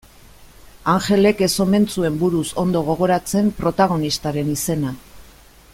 Anjelek ez omen zuen buruz ondo gogoratzen protagonistaren izena.